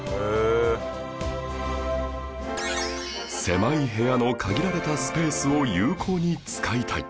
狭い部屋の限られたスペースを有効に使いたい